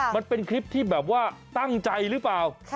มันเป็นคลิปที่แบบว่าตั้งใจหรือเปล่า